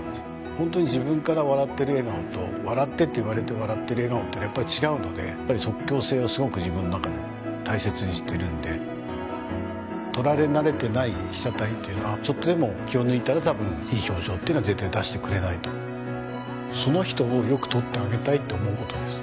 ホントに自分から笑ってる笑顔と「笑って」って言われて笑ってる笑顔はやっぱり違うのでやっぱり即興性をすごく自分の中で大切にしてるんで撮られ慣れてない被写体っていうのはちょっとでも気を抜いたら多分いい表情っていうのは絶対出してくれないとその人をよく撮ってあげたいって思うことです